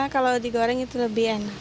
karena kalau digoreng itu lebih enak